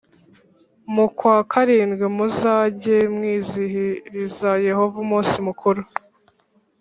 Mu kwa karindwi muzajye mwizihiriza Yehova umunsi mukuru